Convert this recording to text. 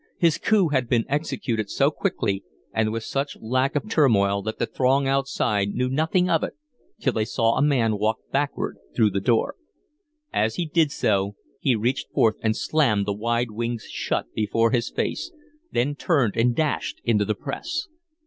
His coup had been executed so quickly and with such lack of turmoil that the throng outside knew nothing of it till they saw a man walk backward through the door. As he did so he reached forth and slammed the wide wings shut before his face, then turned and dashed into the press.